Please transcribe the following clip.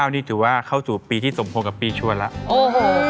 นี่ถือว่าเข้าสู่ปีที่สมพงษ์กับปีชวนแล้ว